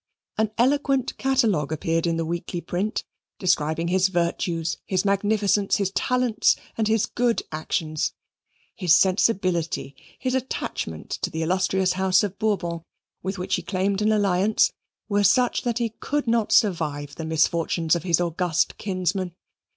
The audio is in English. An eloquent catalogue appeared in a weekly print, describing his virtues, his magnificence, his talents, and his good actions. His sensibility, his attachment to the illustrious House of Bourbon, with which he claimed an alliance, were such that he could not survive the misfortunes of his august kinsmen.